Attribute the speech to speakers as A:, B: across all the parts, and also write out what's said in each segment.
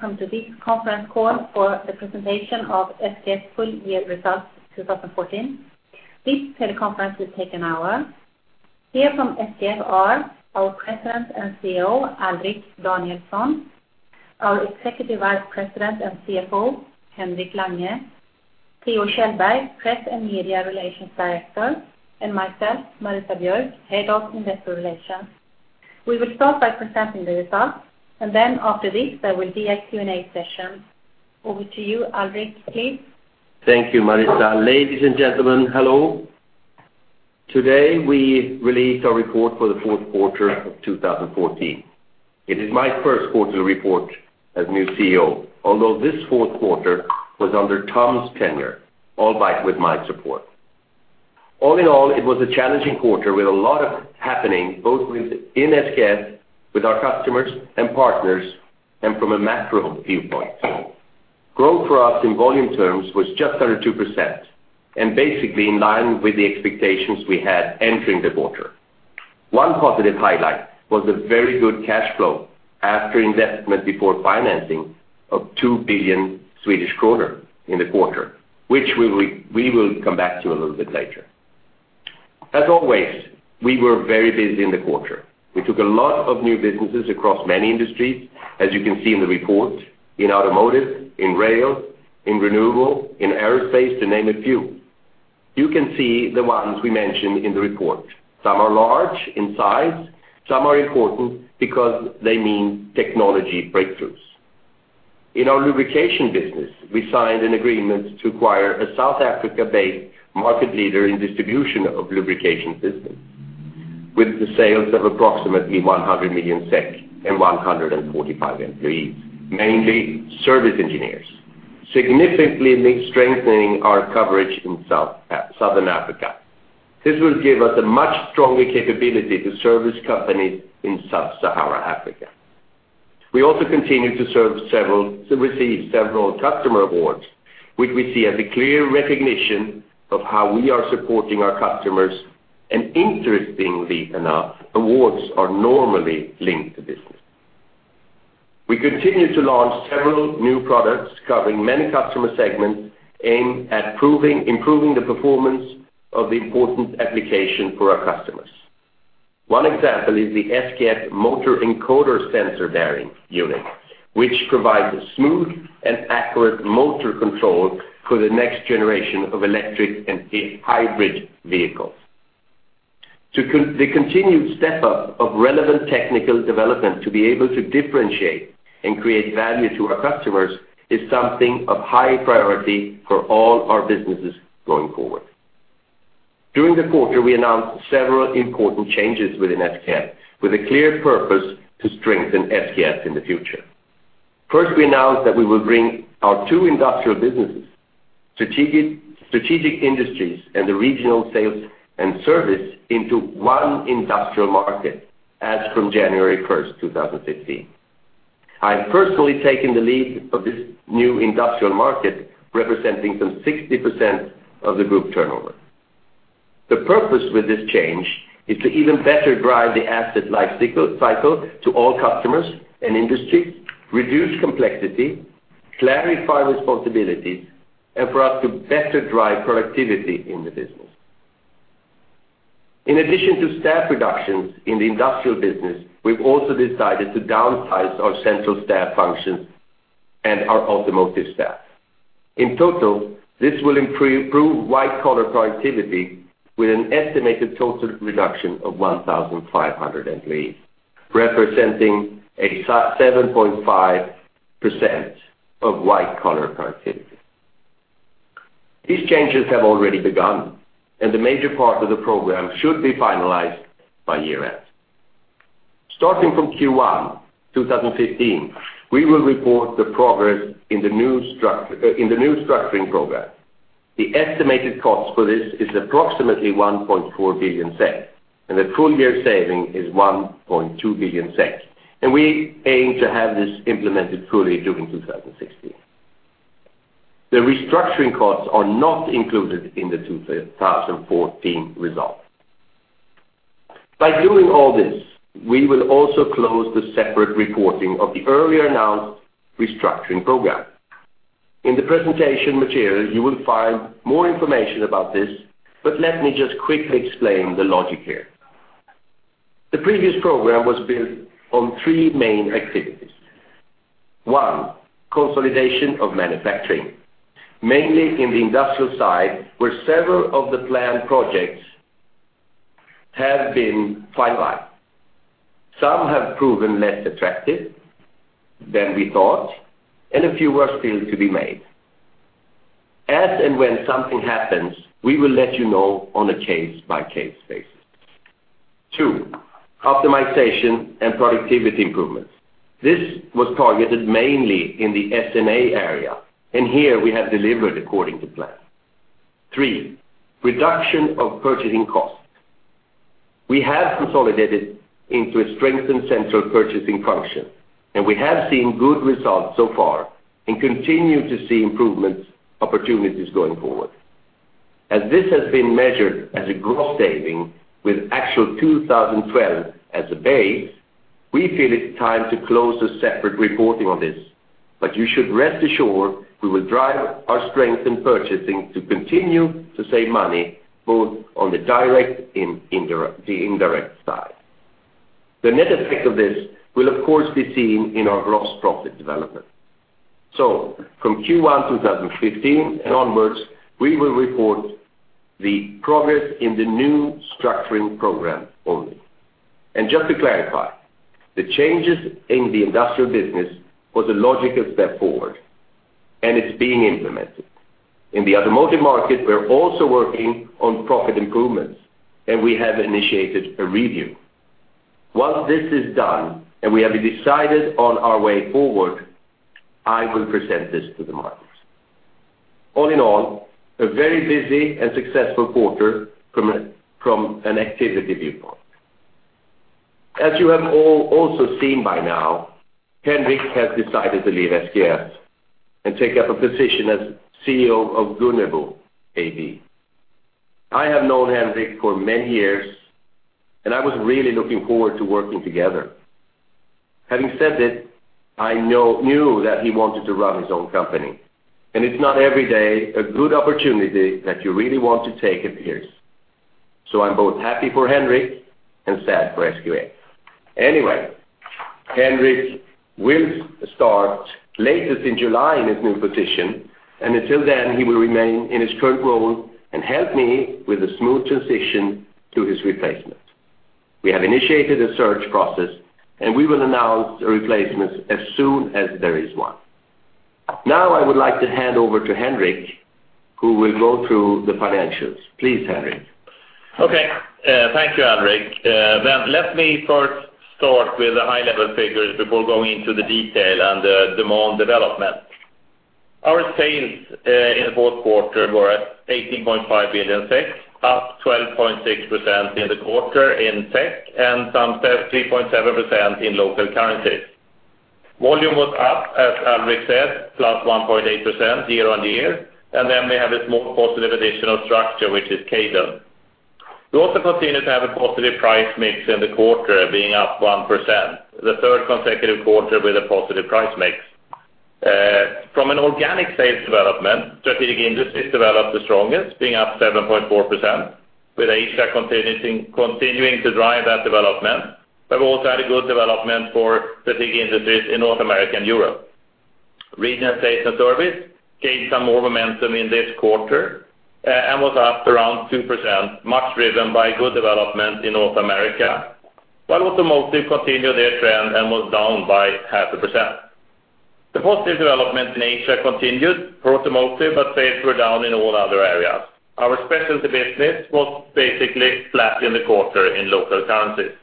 A: Welcome to this conference call for the presentation of SKF's full year results, 2014. This teleconference will take an hour. Here from SKF are our President and CEO, Alrik Danielson, our Executive Vice President and CFO, Henrik Lange, Theo Kjellberg, Press and Media Relations Director, and myself, Marita Björk, Head of Investor Relations. We will start by presenting the results, and then after this, there will be a Q&A session. Over to you, Alrik, please.
B: Thank you, Marita. Ladies and gentlemen, hello. Today, we released our report for the fourth quarter of 2014. It is my first quarterly report as new CEO, although this fourth quarter was under Tom's tenure, albeit with my support. All in all, it was a challenging quarter with a lot of happening, both within SKF, with our customers and partners, and from a macro viewpoint. Growth for us in volume terms was just under 2%, and basically in line with the expectations we had entering the quarter. One positive highlight was a very good cash flow after investment, before financing of 2 billion Swedish kronor in the quarter, which we will, we will come back to a little bit later. As always, we were very busy in the quarter. We took a lot of new businesses across many industries, as you can see in the report, in automotive, in rail, in renewable, in aerospace, to name a few. You can see the ones we mentioned in the report. Some are large in size, some are important because they mean technology breakthroughs. In our lubrication business, we signed an agreement to acquire a South Africa-based market leader in distribution of lubrication business, with sales of approximately 100 million SEK and 145 employees, mainly service engineers, significantly strengthening our coverage in Southern Africa. This will give us a much stronger capability to service companies in Sub-Saharan Africa. We also continue to receive several customer awards, which we see as a clear recognition of how we are supporting our customers, and interestingly enough, awards are normally linked to business. We continue to launch several new products covering many customer segments, aimed at improving the performance of the important application for our customers. One example is the SKF motor encoder sensor bearing unit, which provides a smooth and accurate motor control for the next generation of electric and hybrid vehicles. The continued step up of relevant technical development, to be able to differentiate and create value to our customers, is something of high priority for all our businesses going forward. During the quarter, we announced several important changes within SKF, with a clear purpose to strengthen SKF in the future. First, we announced that we will bring our two industrial businesses, Strategic Industries and the Regional Sales and Service, into one Industrial Market as from January 1st, 2015. I've personally taken the lead of this new Industrial Market, representing some 60% of the group turnover. The purpose with this change is to even better drive the asset life cycle, cycle to all customers and industries, reduce complexity, clarify responsibilities, and for us to better drive productivity in the business. In addition to staff reductions in the industrial business, we've also decided to downsize our central staff functions and our Automotive staff. In total, this will improve white-collar productivity with an estimated total reduction of 1,500 employees, representing a seventy-point-five percent of white-collar productivity. These changes have already begun, and the major part of the program should be finalized by year-end. Starting from Q1 2015, we will report the progress in the new structure in the new structuring program. The estimated cost for this is approximately 1.4 billion SEK, and the full year saving is 1.2 billion SEK, and we aim to have this implemented fully during 2016. The restructuring costs are not included in the 2014 results. By doing all this, we will also close the separate reporting of the earlier announced restructuring program. In the presentation material, you will find more information about this, but let me just quickly explain the logic here. The previous program was built on three main activities. One, consolidation of manufacturing, mainly in the industrial side, where several of the planned projects have been finalized. Some have proven less attractive than we thought, and a few are still to be made. As and when something happens, we will let you know on a case-by-case basis. Two, optimization and productivity improvements. This was targeted mainly in the S&A area, and here we have delivered according to plan. Three, reduction of purchasing costs. We have consolidated into a strengthened central purchasing function, and we have seen good results so far and continue to see improvements, opportunities going forward. As this has been measured as a gross saving with actual 2012 as a base, we feel it's time to close a separate reporting on this. But you should rest assured, we will drive our strength in purchasing to continue to save money, both on the direct and indirect, the indirect side. The net effect of this will, of course, be seen in our gross profit development. So from Q1 2015 and onwards, we will report the progress in the new structuring program only. Just to clarify, the changes in the industrial business was a logical step forward, and it's being implemented. In the Automotive Market, we're also working on profit improvements, and we have initiated a review. Once this is done, and we have decided on our way forward, I will present this to the market. All in all, a very busy and successful quarter from an activity viewpoint. As you have all also seen by now, Henrik has decided to leave SKF and take up a position as CEO of Gunnebo AB. I have known Henrik for many years, and I was really looking forward to working together. Having said this, I knew that he wanted to run his own company, and it's not every day a good opportunity that you really want to take appears. So I'm both happy for Henrik and sad for SKF. Anyway, Henrik will start latest in July in his new position, and until then, he will remain in his current role and help me with a smooth transition to his replacement. We have initiated a search process, and we will announce a replacement as soon as there is one. Now, I would like to hand over to Henrik, who will go through the financials. Please, Henrik.
C: Okay, thank you, Henrik. Then let me first start with the high-level figures before going into the detail and the demand development. Our sales in the fourth quarter were at 18.5 billion, up 12.6% in the quarter in SEK, and some 30.7% in local currencies. Volume was up, as Henrik said, +1.8% year-on-year, and then we have a small positive additional structure, which is Kaydon. We also continue to have a positive price mix in the quarter, being up 1%, the third consecutive quarter with a positive price mix. From an organic sales development, Strategic Industries developed the strongest, being up 7.4%, with Asia continuing to drive that development. But we also had a good development for Strategic Industries in North America and Europe. Regional Sales and Service gained some more momentum in this quarter, and was up around 2%, much driven by good development in North America, while Automotive continued their trend and was down by 0.5%. The positive development in Asia continued for Automotive, but sales were down in all other areas. Our Specialty Business was basically flat in the quarter in local currencies.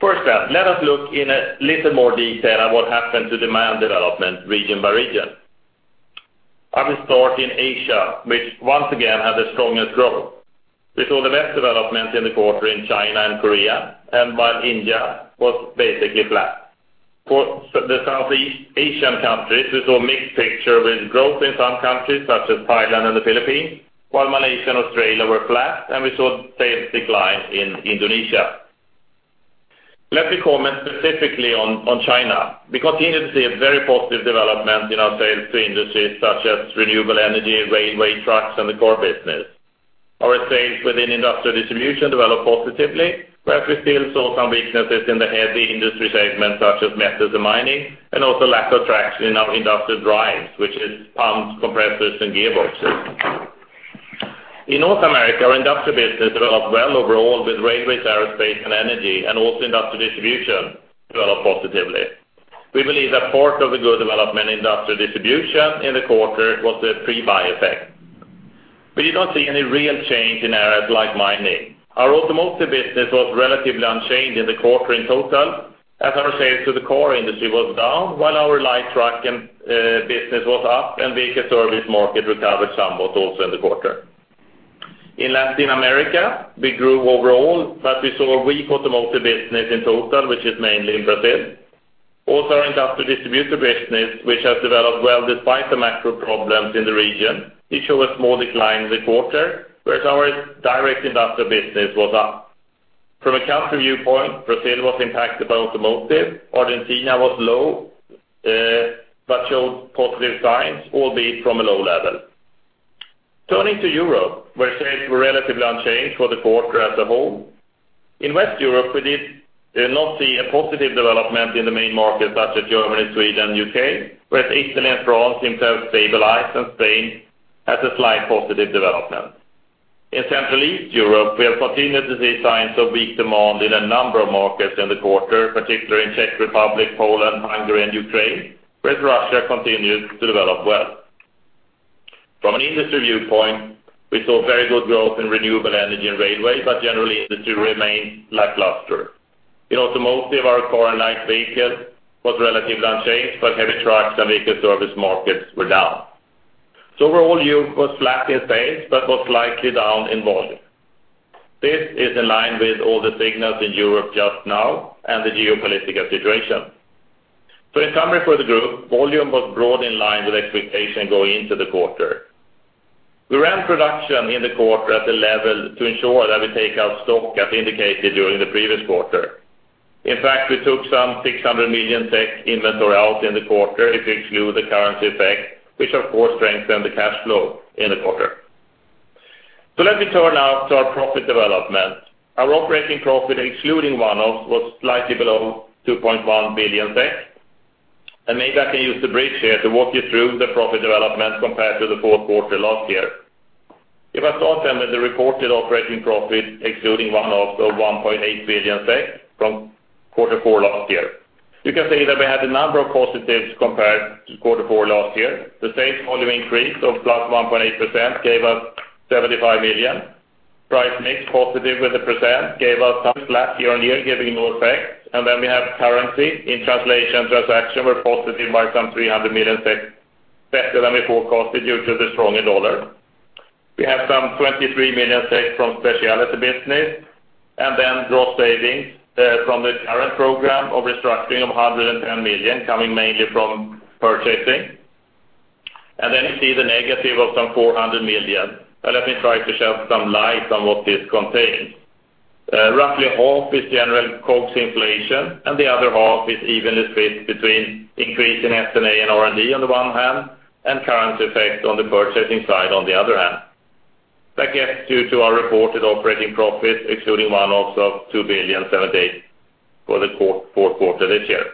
C: First up, let us look in a little more detail at what happened to demand development, region by region. I will start in Asia, which once again, had the strongest growth. We saw the best development in the quarter in China and Korea, and while India was basically flat. For the Southeast Asian countries, we saw a mixed picture with growth in some countries, such as Thailand and the Philippines, while Malaysia and Australia were flat, and we saw sales decline in Indonesia. Let me comment specifically on China. We continue to see a very positive development in our sales to industries such as renewable energy, railway, trucks, and the core business. Our sales within industrial distribution developed positively, whereas we still saw some weaknesses in the heavy industry segments such as metals and mining, and also lack of traction in our industrial drives, which is pumps, compressors, and gearboxes. In North America, our industrial business developed well overall, with railways, aerospace, and energy, and also industrial distribution developed positively. We believe that part of the good development in industrial distribution in the quarter was a pre-buy effect. We did not see any real change in areas like mining. Our Automotive business was relatively unchanged in the quarter in total, as our sales to the car industry was down, while our light truck and business was up, and vehicle service market recovered somewhat also in the quarter. In Latin America, we grew overall, but we saw a weak Automotive business in total, which is mainly in Brazil. Also, our industrial distributor business, which has developed well despite the macro problems in the region, it showed a small decline in the quarter, whereas our direct industrial business was up. From a country viewpoint, Brazil was impacted by Automotive. Argentina was low, but showed positive signs, albeit from a low level. Turning to Europe, where sales were relatively unchanged for the quarter as a whole. In West Europe, we did not see a positive development in the main markets such as Germany, Sweden, UK, whereas Italy and France seem to have stabilized, and Spain has a slight positive development. In Central East Europe, we have continued to see signs of weak demand in a number of markets in the quarter, particularly in Czech Republic, Poland, Hungary, and Ukraine, whereas Russia continued to develop well. From an industry viewpoint, we saw very good growth in renewable energy and railway, but generally, the two remained lackluster. In Automotive, our car and light vehicle was relatively unchanged, but heavy trucks and vehicle service markets were down. So overall, Europe was flat in sales, but was slightly down in volume. This is in line with all the signals in Europe just now and the geopolitical situation. So in summary for the group, volume was broadly in line with expectation going into the quarter. We ran production in the quarter at the level to ensure that we take out stock as indicated during the previous quarter. In fact, we took some 600 million inventory out in the quarter, if you exclude the currency effect, which of course strengthened the cash flow in the quarter. So let me turn now to our profit development. Our operating profit, excluding one-offs, was slightly below 2.1 billion, and maybe I can use the bridge here to walk you through the profit development compared to the fourth quarter last year. You have here that the reported operating profit, excluding one-offs, of 1.8 billion SEK from quarter four last year. You can see that we had a number of positives compared to quarter four last year. The sales volume increase of +1.8% gave us 75 million. Price mix, positive with 1%, gave us some flat year-on-year, giving no effect. And then we have currency in translation, transaction were positive by 300 million, better than we forecasted due to the stronger dollar. We have 23 million from Specialty Business, and then cost savings from the current program of restructuring of 110 million, coming mainly from purchasing. And then you see the negative of 400 million. Now, let me try to shed some light on what this contains. Roughly half is general COGS inflation, and the other half is evenly split between increase in S&A and R&D on the one hand, and currency effect on the purchasing side on the other hand. That gets due to our reported operating profit, excluding one-offs of 2.78 billion for the fourth quarter this year.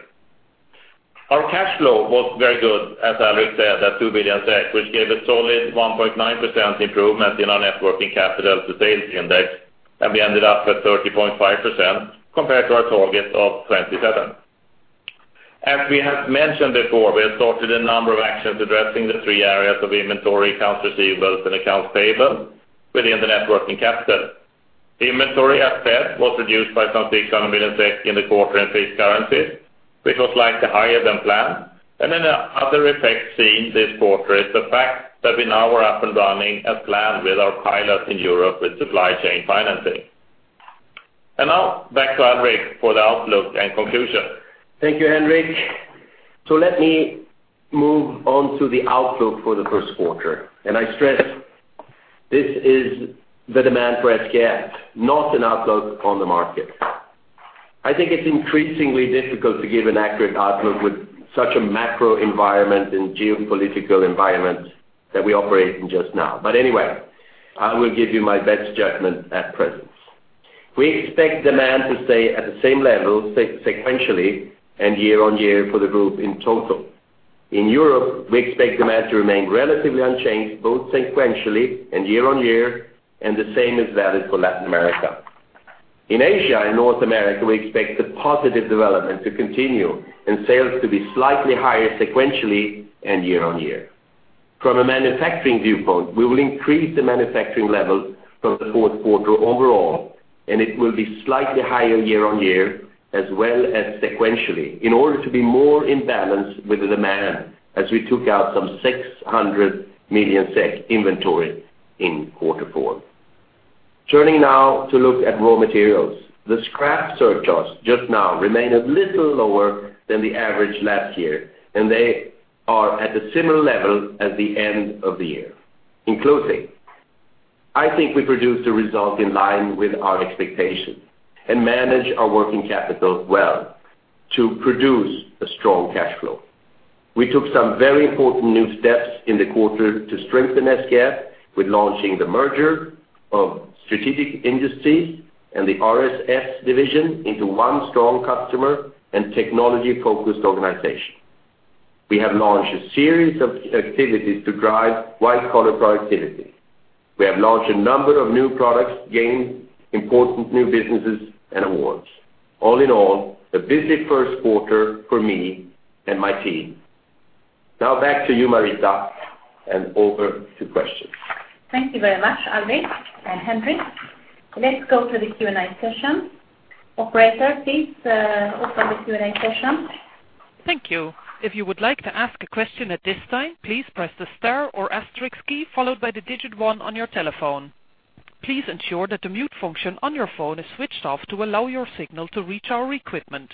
C: Our cash flow was very good, as Alrik said, at 2 billion SEK, which gave a solid 1.9% improvement in our net working capital to sales index, and we ended up at 30.5% compared to our target of 27. As we have mentioned before, we have sorted a number of actions addressing the three areas of inventory, accounts receivables, and accounts payable within the net working capital. Inventory, as said, was reduced by some 600 million in the quarter and fixed currencies, which was likely higher than planned. And then the other effect seen this quarter is the fact that we now are up and running as planned with our pilot in Europe, with supply chain financing. Now, back to Alrik for the outlook and conclusion.
B: Thank you, Henrik. So let me move on to the outlook for the first quarter, and I stress, this is the demand for SKF, not an outlook on the market. I think it's increasingly difficult to give an accurate outlook with such a macro environment and geopolitical environment that we operate in just now. But anyway, I will give you my best judgment at present. We expect demand to stay at the same level, sequentially and year on year for the group in total. In Europe, we expect demand to remain relatively unchanged, both sequentially and year on year, and the same is valid for Latin America. In Asia and North America, we expect the positive development to continue and sales to be slightly higher sequentially and year on year. From a manufacturing viewpoint, we will increase the manufacturing level from the fourth quarter overall, and it will be slightly higher year-on-year, as well as sequentially, in order to be more in balance with the demand, as we took out some 600 million SEK inventory in quarter four. Turning now to look at raw materials, the scrap surcharges just now remain a little lower than the average last year, and they are at a similar level as the end of the year. In closing, I think we produced a result in line with our expectations and manage our working capital well to produce a strong cash flow. We took some very important new steps in the quarter to strengthen SKF with launching the merger of Strategic Industries and the RSS division into one strong customer and technology-focused organization. We have launched a series of activities to drive white-collar productivity. We have launched a number of new products, gained important new businesses and awards. All in all, a busy first quarter for me and my team. Now, back to you, Marita, and over to questions.
A: Thank you very much, Alrik and Henrik. Let's go to the Q&A session. Operator, please, open the Q&A session.
D: Thank you. If you would like to ask a question at this time, please press the star or asterisk key, followed by the digit one on your telephone. Please ensure that the mute function on your phone is switched off to allow your signal to reach our equipment.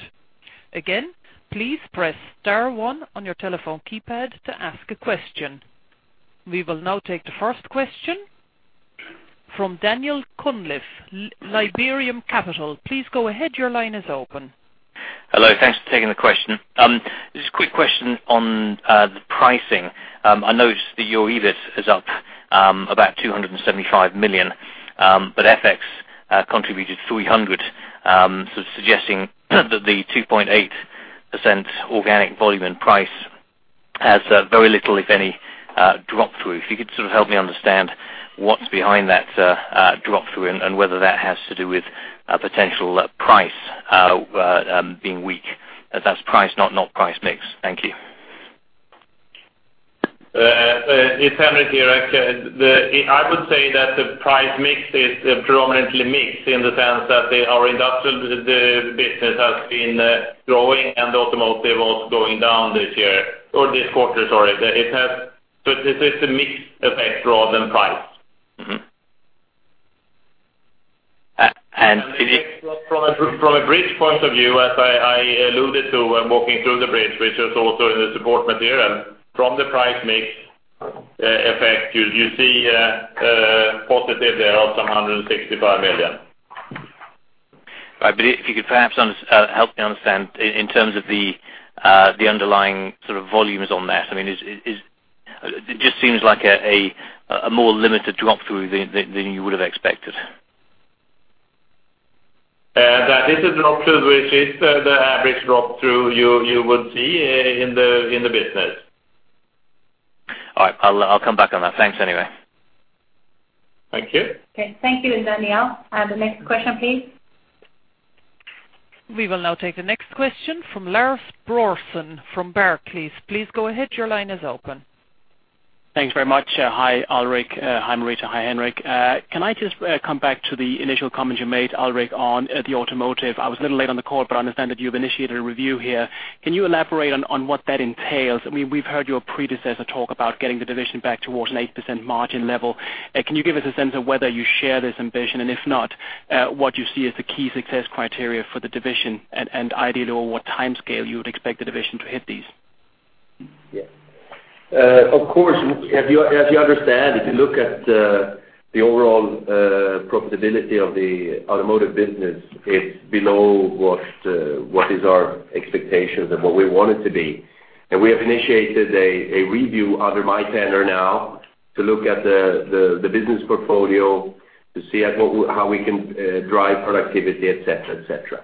D: Again, please press star one on your telephone keypad to ask a question. We will now take the first question from Daniel Cunliffe, Liberum Capital. Please go ahead. Your line is open.
E: Hello. Thanks for taking the question. Just a quick question on the pricing. I noticed the EURIBID is up about 275 million, but FX contributed 300 million, so suggesting that the 2.8% organic volume and price has very little, if any, drop through. If you could sort of help me understand what's behind that drop through and whether that has to do with potential price being weak, and that's price, not price mix. Thank you.
C: It's Henrik here. I would say that the price mix is predominantly mixed in the sense that our Industrial Business has been growing and Automotive was going down this year or this quarter, sorry. It has, so it's a mixed effect rather than price.
B: Mm-hmm.
C: From a bridge point of view, as I alluded to when walking through the bridge, which is also in the support material, from the price mix effect, you see positive there of some 165 million.
E: Right. But if you could perhaps help me understand in terms of the underlying sort of volumes on that, I mean, is it just seems like a more limited drop through than you would have expected.
C: That this is an option, which is the average drop through you would see in the business.
E: All right, I'll come back on that. Thanks, anyway.
B: Thank you.
A: Okay. Thank you, Daniel. The next question, please.
D: We will now take the next question from Lars Brorson from Barclays. Please go ahead. Your line is open.
F: Thanks very much. Hi, Alrik, hi, Marita, hi, Henrik. Can I just come back to the initial comments you made, Alrik, on the Automotive? I was a little late on the call, but I understand that you've initiated a review here. Can you elaborate on what that entails? I mean, we've heard your predecessor talk about getting the division back towards an 8% margin level. Can you give us a sense of whether you share this ambition, and if not, what you see as the key success criteria for the division and, ideally, what timescale you would expect the division to hit these?
B: Yeah. Of course, as you understand, if you look at the overall profitability of the Automotive business, it's below what is our expectations and what we want it to be. And we have initiated a review under my tenure now to look at the business portfolio, to see how we can drive productivity, etc., etc..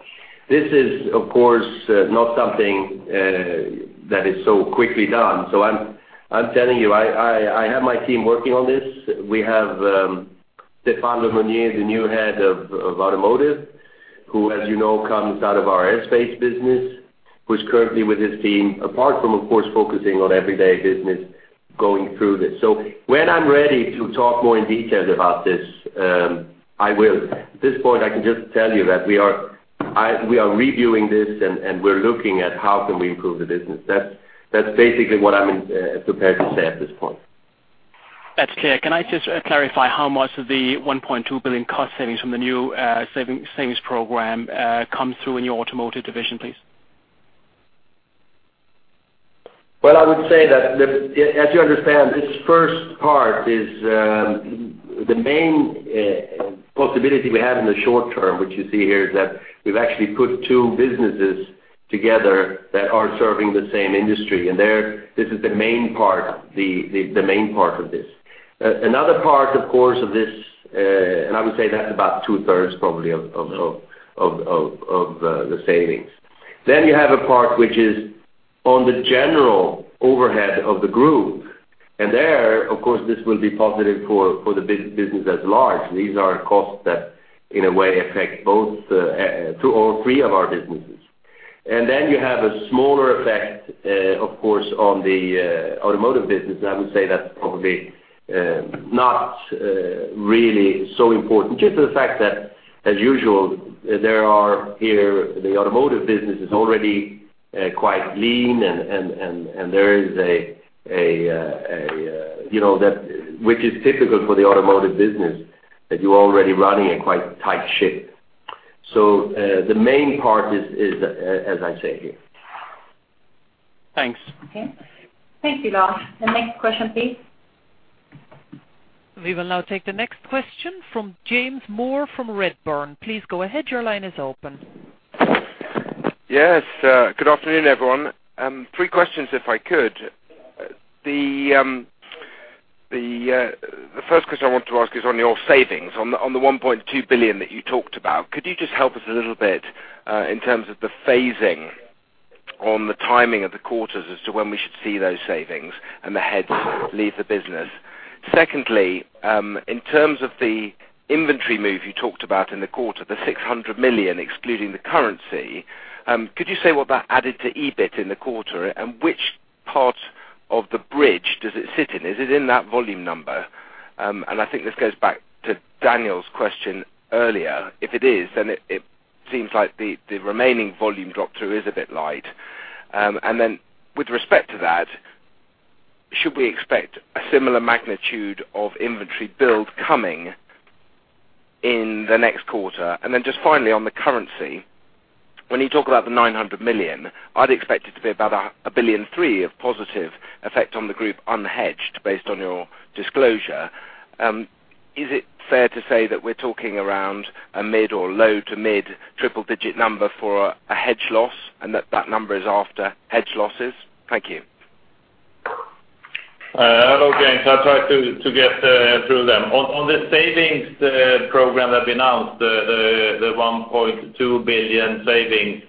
B: This is, of course, not something that is so quickly done, so I'm telling you, I have my team working on this. We have Stephane Le-Mounier, the new head of Automotive, who, as you know, comes out of our aerospace business, who's currently with his team, apart from, of course, focusing on everyday business, going through this. So when I'm ready to talk more in detail about this, I will. At this point, I can just tell you that we are reviewing this, and we're looking at how we can improve the business. That's basically what I'm prepared to say at this point.
F: That's clear. Can I just clarify how much of the 1.2 billion cost savings from the new savings, savings program come through in your Automotive division, please?
B: Well, I would say that the, as you understand, this first part is, the main possibility we have in the short term, which you see here, is that we've actually put two businesses together that are serving the same industry, and there, this is the main part, the main part of this. Another part, of course, of this, and I would say that's about two-thirds, probably, of the savings. Then you have a part which is on the general overhead of the group, and there, of course, this will be positive for the business at large. These are costs that, in a way, affect both, two or three of our businesses. And then you have a smaller effect, of course, on the Automotive business. I would say that's probably not really so important, just for the fact that, as usual, there are here, the Automotive business is already quite lean and there is a you know, that which is typical for the Automotive business, that you're already running a quite tight ship. So, the main part is, as I say here.
F: Thanks.
A: Okay. Thank you, Lars. The next question, please.
D: We will now take the next question from James Moore from Redburn. Please go ahead. Your line is open.
G: Yes, good afternoon, everyone. Three questions, if I could. The first question I want to ask is on your savings, on the 1.2 billion that you talked about. Could you just help us a little bit in terms of the phasing on the timing of the quarters as to when we should see those savings and the heads leave the business? Secondly, in terms of the inventory move you talked about in the quarter, the 600 million, excluding the currency, could you say what that added to EBIT in the quarter, and which part of the bridge does it sit in? Is it in that volume number? And I think this goes back to Daniel's question earlier. If it is, then it seems like the remaining volume drop through is a bit light. And then with respect to that, should we expect a similar magnitude of inventory build coming in the next quarter? And then just finally, on the currency, when you talk about the 900 million, I'd expect it to be about 1.3 billion of positive effect on the group unhedged, based on your disclosure. Is it fair to say that we're talking around a mid or low to mid triple-digit number for a hedge loss, and that that number is after hedge losses? Thank you.
C: Okay, I'll try to get through them. On the savings program that we announced, the 1.2 billion savings,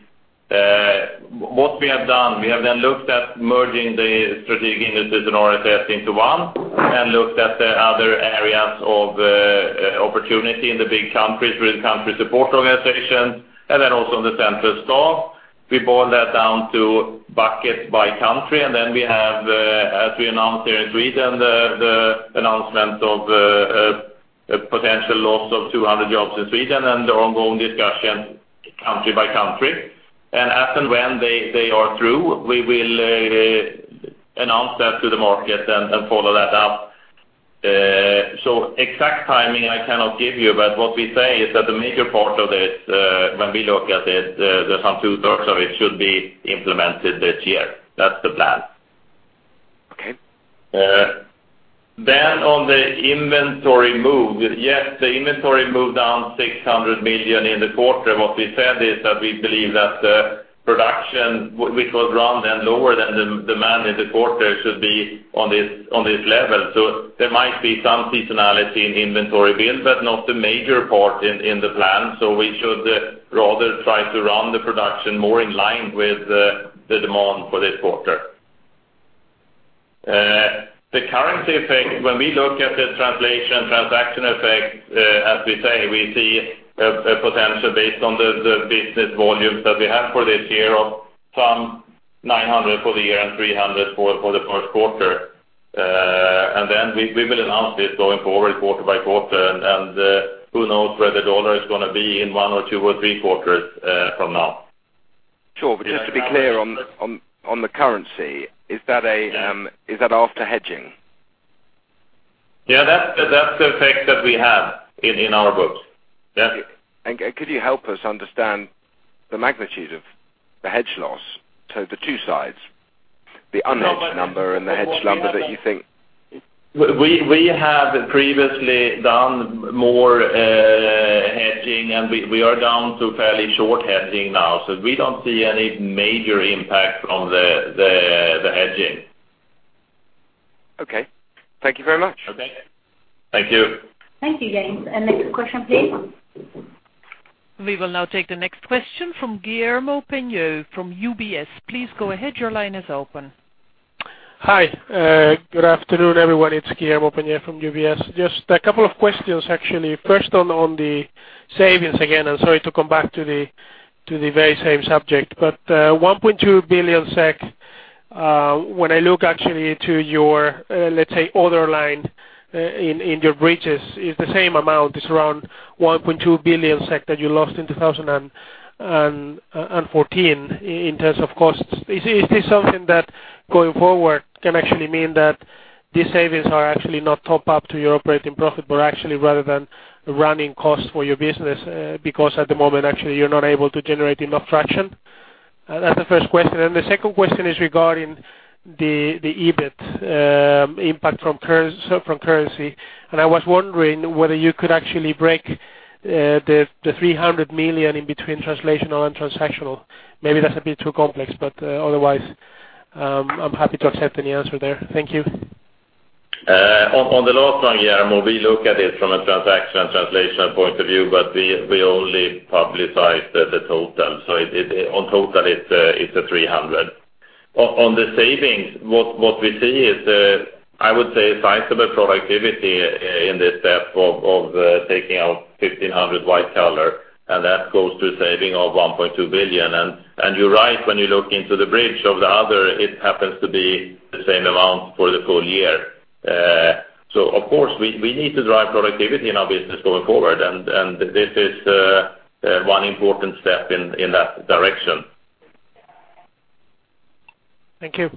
C: what we have done, we have then looked at merging the Strategic Industries and RSS into one, and looked at the other areas of opportunity in the big countries with country support organizations, and then also in the central staff. We boil that down to bucket by country, and then we have, as we announced here in Sweden, the announcement of a potential loss of 200 jobs in Sweden, and the ongoing discussions country by country. And as and when they are through, we will announce that to the market and follow that up, so exact timing I cannot give you, but what we say is that the major part of this, when we look at it, there's some two-thirds of it should be implemented this year. That's the plan.
G: Okay.
C: Then on the inventory move, yes, the inventory moved down 600 million in the quarter. What we said is that we believe that production, which was run then lower than the demand in the quarter, should be on this level. So there might be some seasonality in inventory build, but not the major part in the plan. So we should rather try to run the production more in line with the demand for this quarter. The currency effect, when we look at the translation, transaction effect, as we say, we see a potential based on the business volumes that we have for this year of some 900 for the year and 300 for the first quarter. And then we will announce this going forward, quarter by quarter, and who knows where the US dollar is going to be in one or two or three quarters from now?
G: Sure. But just to be clear on the currency, is that after hedging?
C: Yeah, that's the effect that we have in our books. Yeah.
G: Could you help us understand the magnitude of the hedge loss? So the two sides, the unhedged number and the hedged number that you think-
C: We have previously done more hedging, and we are down to fairly short hedging now, so we don't see any major impact from the hedging.
B: Okay. Thank you very much.
C: Okay. Thank you.
A: Thank you, James. Next question, please.
D: We will now take the next question from Guillermo Peigneux from UBS. Please go ahead. Your line is open.
H: Hi. Good afternoon, everyone. It's Guillermo Peigneux from UBS. Just a couple of questions, actually. First, on the savings again, and sorry to come back to the very same subject, but, 1.2 billion SEK, when I look actually to your, let's say, other line, in your bridges, is the same amount as around 1.2 billion SEK that you lost in 2014 in terms of costs. Is this something that, going forward, can actually mean that these savings are actually not top up to your operating profit, but actually rather than running costs for your business, because at the moment, actually, you're not able to generate enough traction? That's the first question. And the second question is regarding the EBIT impact from, so from currency, and I was wondering whether you could actually break the 300 million in between translational and transactional. Maybe that's a bit too complex, but otherwise, I'm happy to accept any answer there. Thank you.
C: On the last one, Guillermo, we look at it from a transaction and translational point of view, but we only publicize the total. So, on total, it's 300 million. On the savings, what we see is, I would say a sizable productivity in this step of taking out 1,500 white collar, and that goes to a saving of 1.2 billion. And you're right, when you look into the bridge of the other, it happens to be the same amount for the full year. So of course, we need to drive productivity in our business going forward, and this is one important step in that direction.
H: Thank you.
C: Thank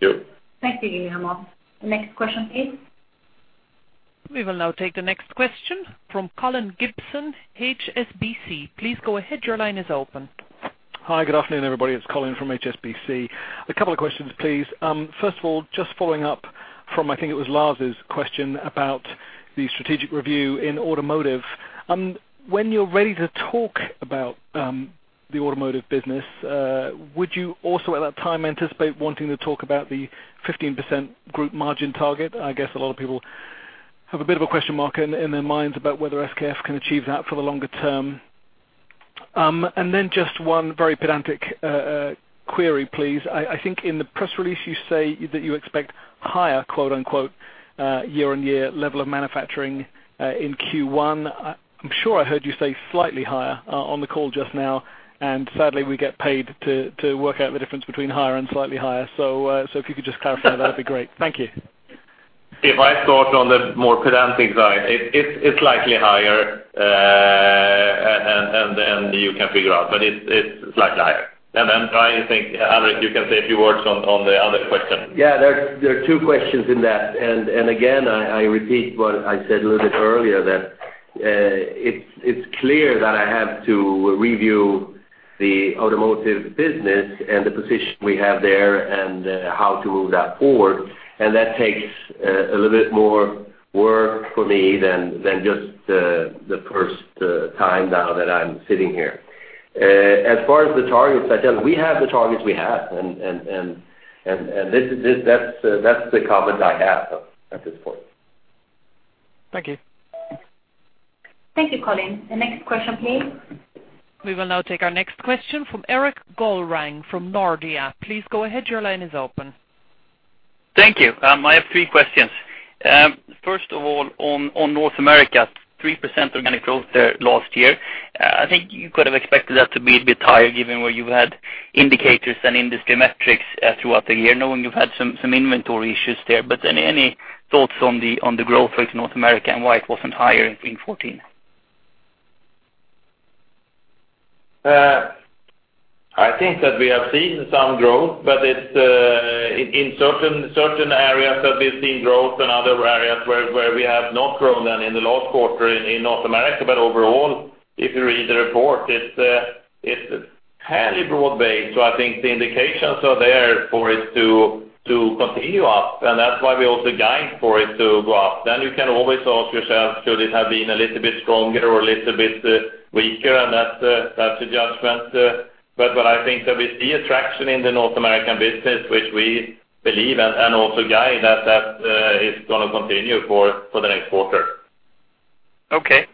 C: you.
A: Thank you, Guillermo. Next question, please.
D: We will now take the next question from Colin Gibson, HSBC. Please go ahead. Your line is open.
I: Hi, good afternoon, everybody. It's Colin from HSBC. A couple of questions, please. First of all, just following up from I think it was Lars's question about the strategic review in Automotive. When you're ready to talk about the Automotive business, would you also, at that time, anticipate wanting to talk about the 15% group margin target? I guess a lot of people have a bit of a question mark in their minds about whether SKF can achieve that for the longer term. And then just one very pedantic query, please. I think in the press release, you say that you expect higher, quote unquote, year-on-year level of manufacturing in Q1. I'm sure I heard you say slightly higher on the call just now, and sadly, we get paid to work out the difference between higher and slightly higher. So if you could just clarify, that'd be great. Thank you.
C: If I start on the more pedantic side, it's slightly higher, and you can figure out, but it's slightly higher. And then I think, Alrik, you can say a few words on the other question.
B: Yeah, there, there are two questions in that. And, and again, I, I repeat what I said a little bit earlier, that, it's, it's clear that I have to review the Automotive business and the position we have there and, how to move that forward, and that takes, a little bit more work for me than, than just the, the first, time now that I'm sitting here. As far as the targets are concerned, we have the targets we have, and, and, and, and, and this is, this -- that's, that's the comment I have at, at this point.
I: Thank you.
A: Thank you, Colin. The next question, please.
D: We will now take our next question from Erik Golrang from Nordea. Please go ahead. Your line is open.
J: Thank you. I have three questions. First of all, on North America, 3% organic growth there last year. I think you could have expected that to be a bit higher, given where you had indicators and industry metrics throughout the year, knowing you've had some inventory issues there. But any thoughts on the growth for North America and why it wasn't higher in 2014?
B: I think that we have seen some growth, but it's in certain areas that we've seen growth and other areas where we have not grown than in the last quarter in North America. But overall, if you read the report, it's fairly broad-based. So I think the indications are there for it to continue up, and that's why we also guide for it to go up. Then you can always ask yourself, should it have been a little bit stronger or a little bit weaker? And that's a judgment. But what I think that we see traction in the North American business, which we believe and also guide that is gonna continue for the next quarter.
J: Okay.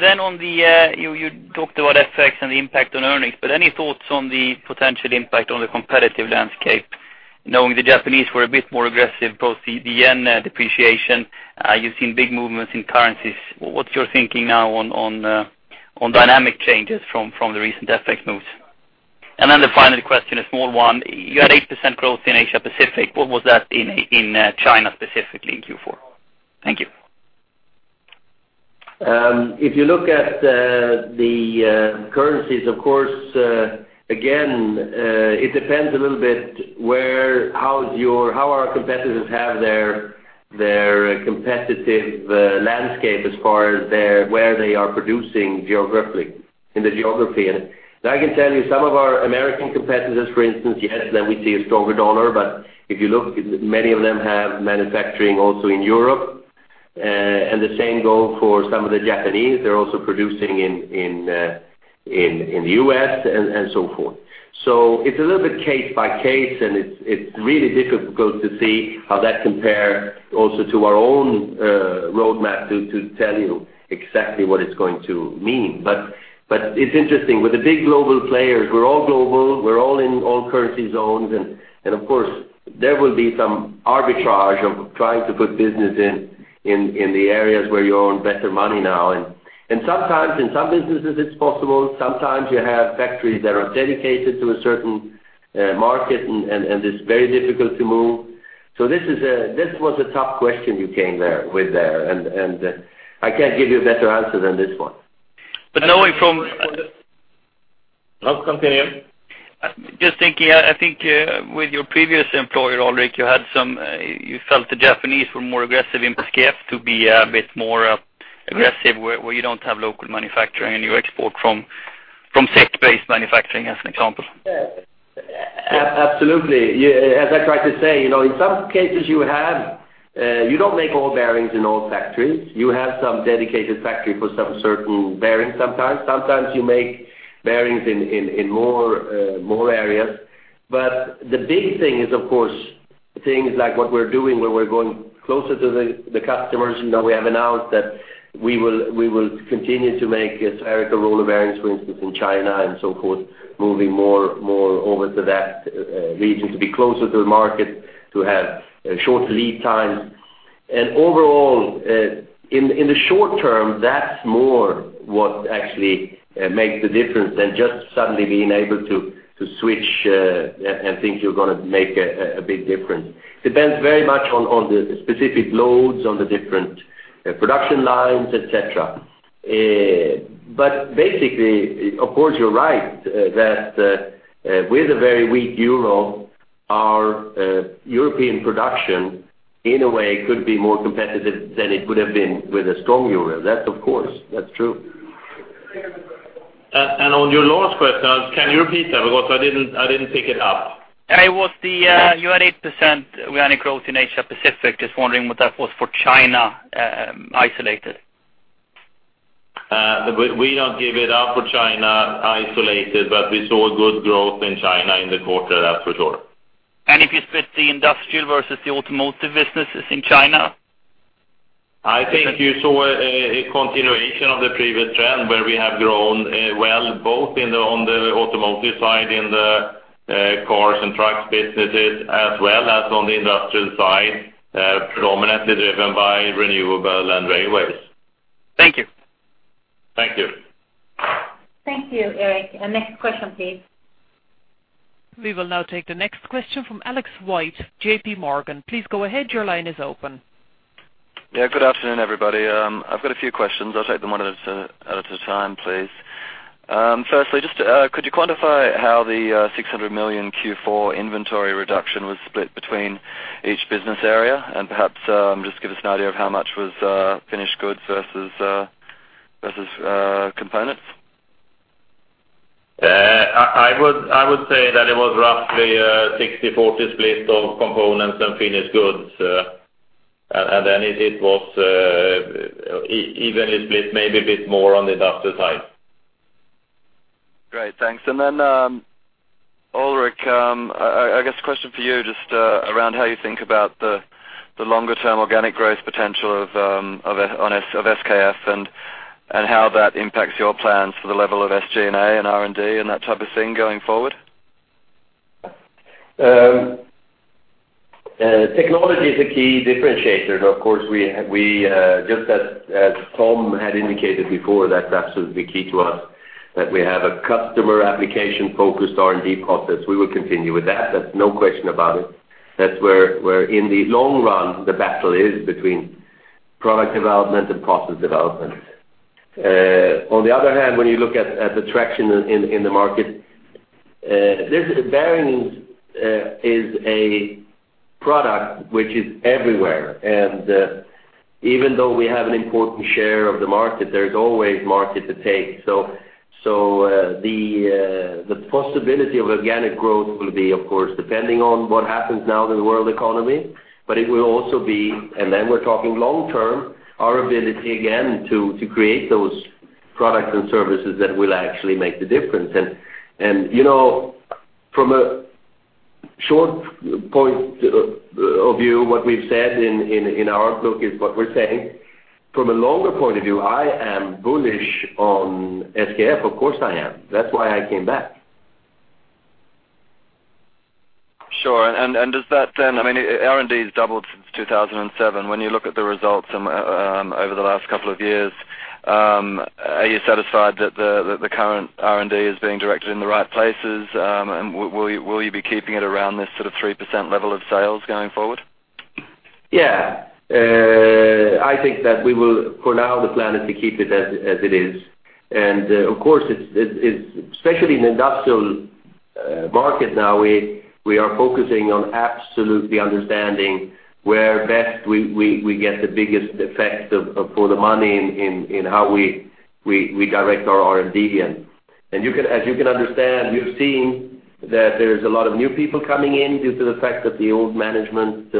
J: Then on the, you, you talked about effects and the impact on earnings, but any thoughts on the potential impact on the competitive landscape, knowing the Japanese were a bit more aggressive, both the yen depreciation, you've seen big movements in currencies. What's your thinking now on, on, on dynamic changes from, from the recent FX moves? And then the final question, a small one. You had 8% growth in Asia Pacific. What was that in, in, China, specifically in Q4? Thank you.
B: If you look at the currencies, of course, again, it depends a little bit where, how our competitors have their competitive landscape as far as their where they are producing geographically, in the geography. And I can tell you some of our American competitors, for instance, yes, then we see a stronger US dollar. But if you look, many of them have manufacturing also in Europe, and the same go for some of the Japanese. They're also producing in the U.S. and so forth. So it's a little bit case by case, and it's really difficult to see how that compare also to our own roadmap to tell you exactly what it's going to mean. But it's interesting, with the big global players, we're all global, we're all in all currency zones, and of course, there will be some arbitrage of trying to put business in the areas where you own better money now. And sometimes in some businesses, it's possible. Sometimes you have factories that are dedicated to a certain market, and it's very difficult to move. So this is a—this was a tough question you came there, with there, and I can't give you a better answer than this one.
J: Knowing from-
B: Oh, continue.
J: Just thinking, I think, with your previous employer, Alrik, you had some, you felt the Japanese were more aggressive in SKF to be a bit more aggressive, where you don't have local manufacturing, and you export from Sweden-based manufacturing, as an example.
B: Yeah. Absolutely. Yeah, as I tried to say, you know, in some cases, you have you don't make all bearings in all factories. You have some dedicated factory for some certain bearings sometimes. Sometimes you make bearings in more areas. But the big thing is, of course, things like what we're doing, where we're going closer to the customers. You know, we have announced that we will continue to make spherical roller bearings, for instance, in China and so forth, moving more over to that region, to be closer to the market, to have short lead times. And overall, in the short term, that's more what actually makes the difference than just suddenly being able to switch and think you're gonna make a big difference. Depends very much on the specific loads, on the different production lines, et cetera. But basically, of course, you're right, that with a very weak euro, our European production, in a way, could be more competitive than it would have been with a strong euro. That's of course, that's true.
C: On your last question, can you repeat that? Because I didn't pick it up.
J: It was the you had 8% organic growth in Asia-Pacific. Just wondering what that was for China, isolated.
B: We don't give it out for China isolated, but we saw good growth in China in the quarter, that's for sure.
J: If you split the industrial versus the Automotive businesses in China?
B: I think you saw a continuation of the previous trend, where we have grown, well, both in the, on the Automotive side, in the, cars and trucks businesses, as well as on the industrial side, predominantly driven by renewable and railways.
J: Thank you.
B: Thank you.
A: Thank you, Eric. Next question, please.
D: We will now take the next question from Alex White, J.P. Morgan. Please go ahead. Your line is open.
K: Yeah, good afternoon, everybody. I've got a few questions. I'll take them one at a time, please. Firstly, just could you quantify how the 600 million Q4 inventory reduction was split between each business area? And perhaps just give us an idea of how much was finished goods versus components.
B: I would say that it was roughly a 60/40 split of components and finished goods. And then it was evenly split, maybe a bit more on the industrial side.
K: Great, thanks. And then, Alrik, I guess, question for you, just around how you think about the longer-term organic growth potential of SKF and how that impacts your plans for the level of SG&A and R&D and that type of thing going forward?
B: Technology is a key differentiator. Of course, we just as Tom had indicated before, that's absolutely key to us, that we have a customer application-focused R&D process. We will continue with that. There's no question about it. That's where in the long run, the battle is between product development and process development. On the other hand, when you look at the traction in the market, this bearings is a product which is everywhere, and even though we have an important share of the market, there is always market to take. The possibility of organic growth will be, of course, depending on what happens now in the world economy, but it will also be, and then we're talking long term, our ability again to create those products and services that will actually make the difference. You know, from a short point of view, what we've said in our outlook is what we're saying. From a longer point of view, I am bullish on SKF, of course I am. That's why I came back.
K: Sure. And does that then, I mean, R&D has doubled since 2007. When you look at the results over the last couple of years, are you satisfied that the current R&D is being directed in the right places? And will you be keeping it around this sort of 3% level of sales going forward?
B: Yeah. I think that we will, for now, the plan is to keep it as it is. And, of course, it's especially in industrial market now, we are focusing on absolutely understanding where best we get the biggest effect for the money in how we direct our R&D. And you can, as you can understand, we've seen that there's a lot of new people coming in due to the fact that the old management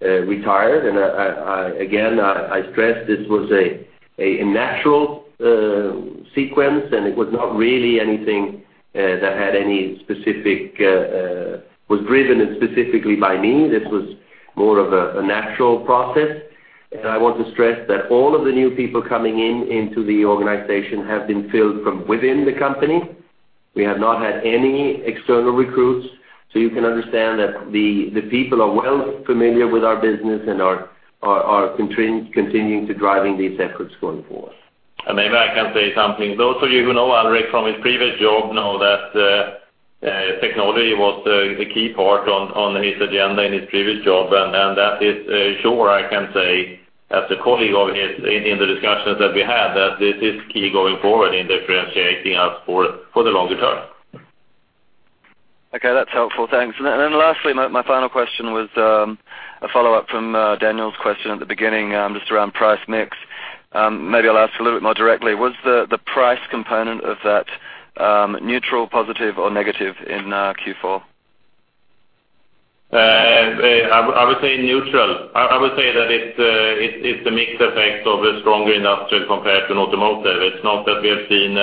B: retired. And I again I stress this was a natural sequence, and it was not really anything that had any specific was driven specifically by me. This was more of a natural process. I want to stress that all of the new people coming in into the organization have been filled from within the company. We have not had any external recruits, so you can understand that the people are well familiar with our business and are continuing to driving these efforts going forward.
C: Maybe I can say something. Those of you who know Alrik from his previous job know that technology was the key part on his agenda in his previous job, and that is sure, I can say, as a colleague of his, in the discussions that we had, that this is key going forward in differentiating us for the longer term.
K: Okay, that's helpful. Thanks. And then lastly, my final question was a follow-up from Daniel's question at the beginning, just around price mix. Maybe I'll ask a little bit more directly. Was the price component of that neutral, positive, or negative in Q4?
C: I would say neutral. I would say that it's a mixed effect of a stronger industrial compared to Automotive. It's not that we have seen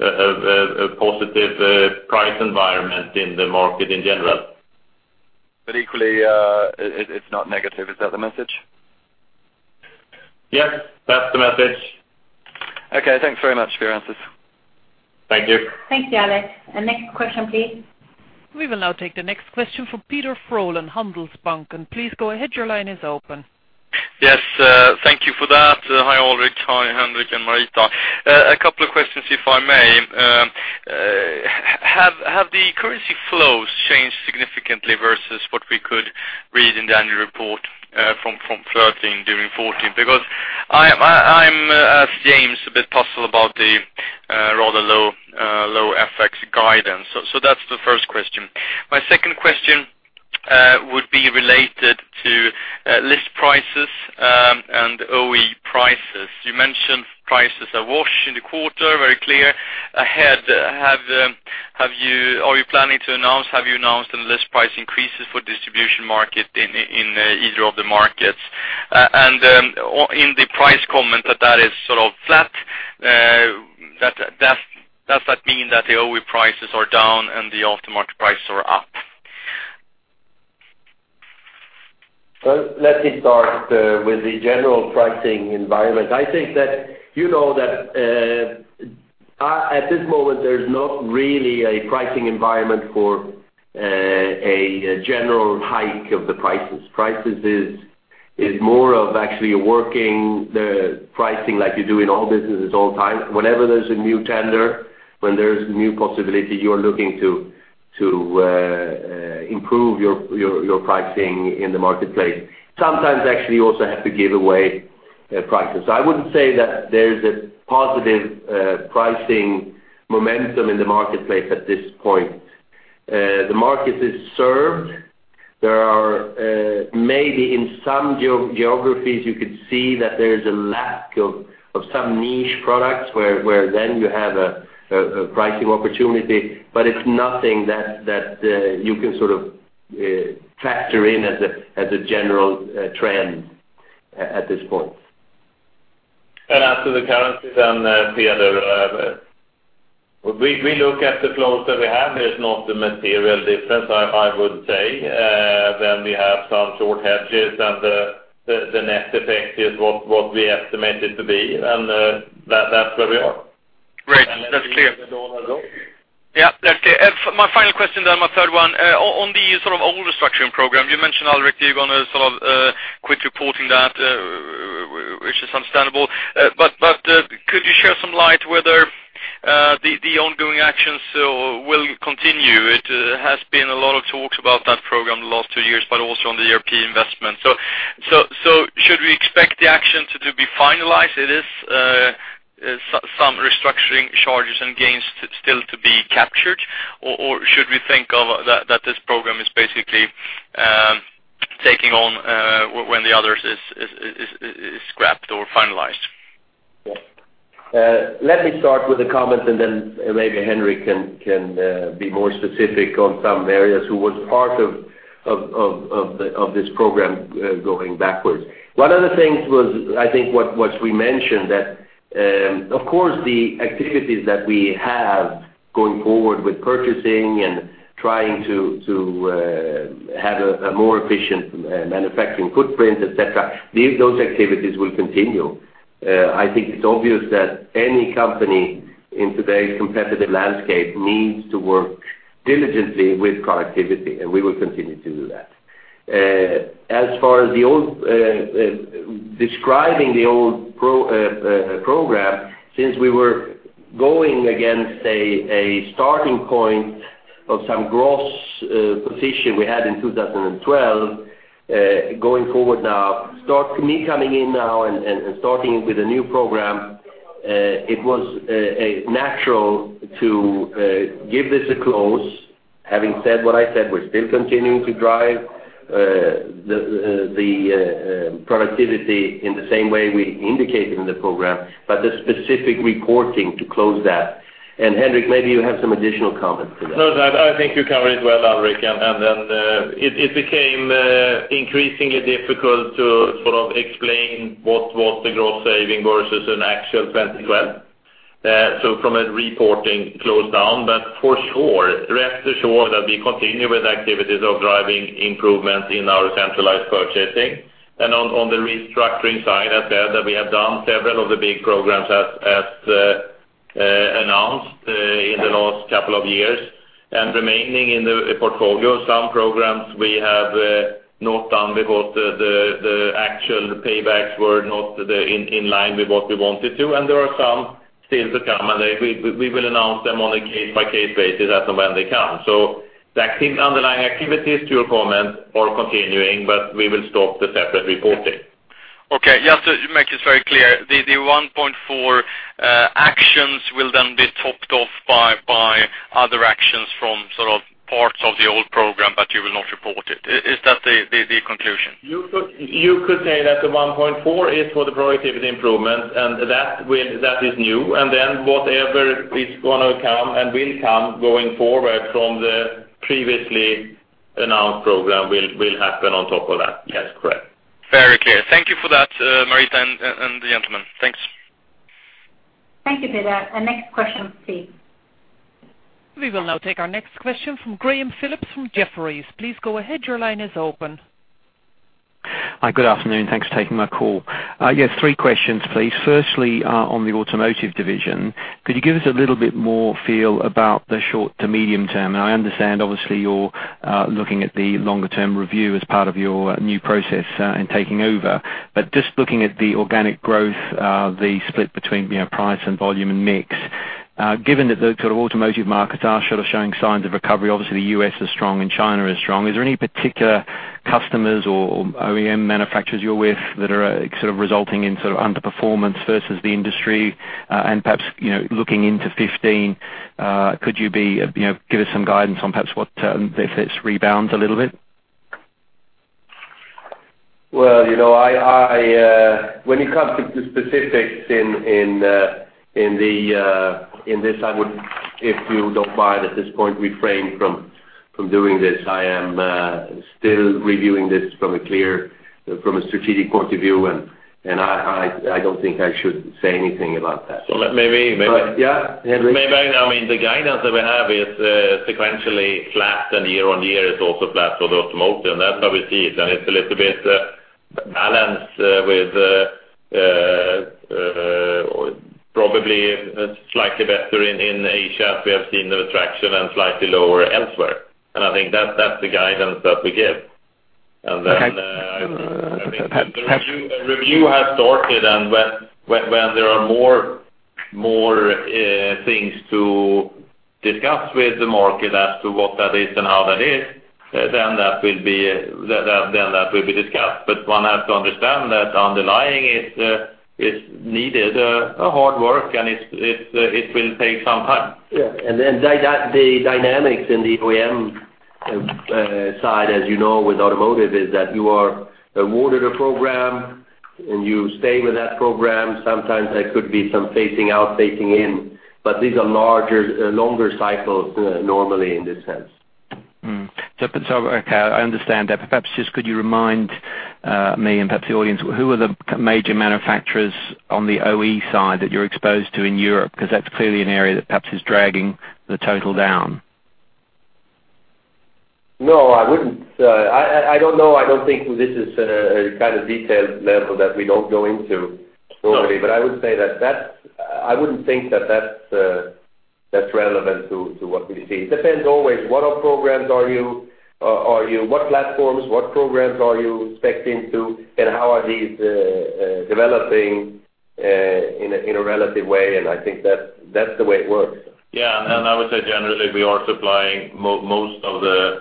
C: a positive price environment in the market in general.
K: But equally, it's not negative. Is that the message?
C: Yes, that's the message.
K: Okay, thanks very much for your answers.
C: Thank you.
A: Thank you, Alex. Next question, please.
D: We will now take the next question from Peder Frölén, Handelsbanken. Please go ahead. Your line is open.
L: Yes, thank you for that. Hi, Alrik. Hi, Henrik and Marita. A couple of questions, if I may. Have the currency flows changed significantly versus what we could read in the annual report from 2013 during 2014? Because I'm, as James, a bit puzzled about the rather low FX guidance. So that's the first question. My second question would be related to list prices and OE prices. You mentioned prices are washed in the quarter, very clear. Ahead, have you, are you planning to announce, have you announced any list price increases for distribution market in either of the markets? In the price comment that that is sort of flat, that, that, does that mean that the OE prices are down and the aftermarket prices are up?
B: Well, let me start with the general pricing environment. I think that you know that at this moment, there's not really a pricing environment for a general hike of the prices. Prices is more of actually working the pricing like you do in all businesses all time. Whenever there's a new tender, when there's new possibility, you're looking to improve your pricing in the marketplace. Sometimes actually, you also have to give away prices. I wouldn't say that there's a positive pricing momentum in the marketplace at this point. The market is served. There are maybe in some geographies, you could see that there is a lack of some niche products, where then you have a pricing opportunity, but it's nothing that you can sort of factor in as a general trend at this point.
C: As to the currency then, Peter, we look at the flows that we have. There's not a material difference, I would say. Then we have some short hedges, and the net effect is what we estimate it to be, and that's where we are.
L: Great. That's clear.
C: And then the US dollar go.
L: Yeah, that's clear. And my final question, then my third one. On the sort of old restructuring program, you mentioned, Alrik, you're gonna sort of quit reporting that, which is understandable. But could you share some light whether the ongoing actions so will continue. It has been a lot of talks about that program the last two years, but also on the European investment. So should we expect the action to be finalized? It is some restructuring charges and gains still to be captured, or should we think of that this program is basically taking on when the others is scrapped or finalized?
B: Let me start with a comment, and then maybe Henrik can be more specific on some areas, who was part of this program, going backwards. One of the things was, I think what we mentioned, that, of course, the activities that we have going forward with purchasing and trying to have a more efficient manufacturing footprint, et cetera, these, those activities will continue. I think it's obvious that any company in today's competitive landscape needs to work diligently with productivity, and we will continue to do that. As far as the old, describing the old program, since we were going against a starting point of some gross position we had in 2012, going forward now, me coming in now and starting with a new program, it was a natural to give this a close. Having said what I said, we're still continuing to drive the productivity in the same way we indicated in the program, but the specific reporting to close that. And, Henrik, maybe you have some additional comments to that.
C: No, I think you covered it well, Alrik, and then it became increasingly difficult to sort of explain what was the gross saving versus an actual 2012. So from a reporting close down, but for sure, rest assured that we continue with activities of driving improvements in our centralized purchasing. And on the restructuring side, as we have done several of the big programs as announced in the last couple of years. And remaining in the portfolio, some programs we have not done because the actual paybacks were not in line with what we wanted to, and there are some still to come, and we will announce them on a case-by-case basis as to when they come. So the underlying activities to your comment are continuing, but we will stop the separate reporting.
L: Okay. Just to make it very clear, the 1.4 actions will then be topped off by other actions from sort of parts of the old program, but you will not report it. Is that the conclusion?
C: You could say that the 1.4 is for the productivity improvement, and that is new, and then whatever is gonna come and will come going forward from the previously announced program will happen on top of that. Yes, correct.
L: Very clear. Thank you for that, Marita and the gentlemen. Thanks.
A: Thank you, Peter. Next question, please.
D: We will now take our next question from Graham Phillips from Jefferies. Please go ahead. Your line is open.
M: Hi, good afternoon. Thanks for taking my call. Yes, 3 questions, please. Firstly, on the Automotive division, could you give us a little bit more feel about the short to medium term? And I understand, obviously, you're looking at the longer-term review as part of your new process in taking over. But just looking at the organic growth, the split between, you know, price and volume and mix. Given that the sort of automotive markets are sort of showing signs of recovery, obviously, the U.S. is strong and China is strong, is there any particular customers or OEM manufacturers you're with that are sort of resulting in sort of underperformance versus the industry? And perhaps, you know, looking into 15, could you be, you know, give us some guidance on perhaps what if this rebounds a little bit?
B: Well, you know, when it comes to specifics in this, I would, if you don't mind, at this point, refrain from doing this. I am still reviewing this from a strategic point of view, and I don't think I should say anything about that.
C: So maybe-
B: Yeah.
C: Maybe, I mean, the guidance that we have is sequentially flat, and year on year is also flat for the Automotive, and that's how we see it. And it's a little bit balanced with probably slightly better in Asia, we have seen the traction and slightly lower elsewhere. And I think that's the guidance that we give. And then I think the review has started, and when there are more things to discuss with the market as to what that is and how that is, then that will be discussed. But one has to understand that underlying it is needed a hard work, and it will take some time.
B: Yeah. And then the dynamics in the OEM, side, as you know, with automotive, is that you are awarded a program, and you stay with that program. Sometimes there could be some phasing out, phasing in, but these are larger, longer cycles, normally in this sense.
M: Okay, I understand that. But perhaps just could you remind me and perhaps the audience who are the major manufacturers on the OE side that you're exposed to in Europe? Because that's clearly an area that perhaps is dragging the total down.
B: No, I wouldn't. I don't know. I don't think this is a kind of detailed level that we don't go into normally.
M: Okay.
B: But I would say that that's, I wouldn't think that that's relevant to what we see. It depends always, what programs are you, what platforms, what programs are you spec into, and how are these developing in a relative way? And I think that's the way it works.
C: Yeah, and I would say, generally, we are supplying most of the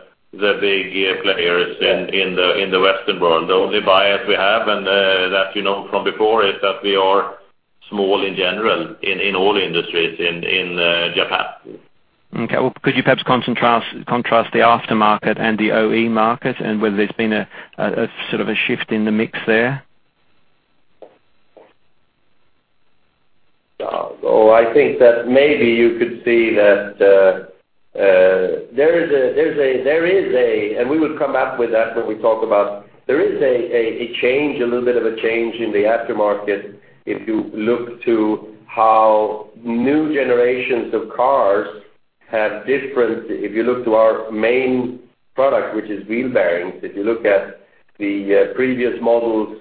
C: big gear players in the Western world. The only bias we have, and that you know from before, is that we are small in general, in all industries in Japan.
M: Okay. Well, could you perhaps contrast the aftermarket and the OE market, and whether there's been a sort of a shift in the mix there?
B: I think that maybe you could see that there is a change, a little bit of a change in the aftermarket if you look to how new generations of cars have different. If you look to our main product, which is wheel bearings, if you look at the previous models,